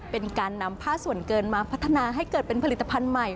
เป็นการนำผ้าส่วนเกินมาพัฒนาให้เกิดเป็นผลิตภัณฑ์ใหม่